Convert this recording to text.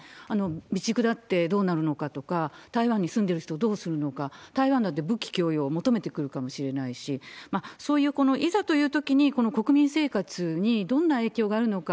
備蓄だってどうなるのかとか、台湾に住んでる人をどうするのか、台湾だって武器供与を求めてくるかもしれないし、そういう、いざというときにこの国民生活にどんな影響があるのか。